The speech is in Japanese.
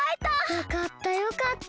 よかったよかった。